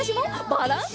バランス！